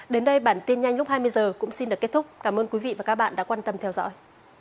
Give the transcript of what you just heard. đến đây bản tin nhanh lúc hai mươi h cũng xin được kết thúc cảm ơn quý vị và các bạn đã quan tâm theo dõi